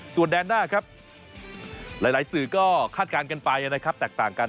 ส่วนแดนหน้าครับหลายสื่อก็คาดการณ์กันไปนะครับแตกต่างกัน